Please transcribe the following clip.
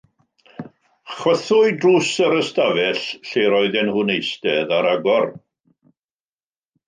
Chwythwyd drws yr ystafell lle roedden nhw'n eistedd ar agor.